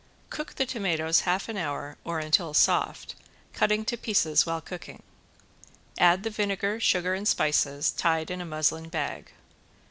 Cook the tomatoes half an hour or until soft, cutting to pieces while cooking. Add the vinegar, sugar and spices tied in a muslin bag.